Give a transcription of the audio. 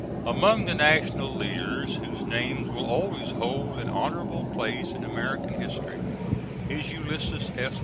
Among the national leaders whose names will always hold an honorable place in American history is Ulysses S.